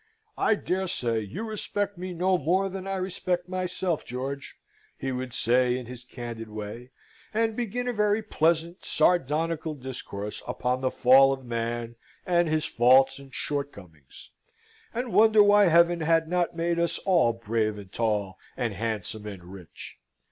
"I dare say you respect me no more than I respect myself, George," he would say, in his candid way, and begin a very pleasant sardonical discourse upon the fall of man, and his faults, and shortcomings; and wonder why Heaven had not made us all brave and tall, and handsome and rich?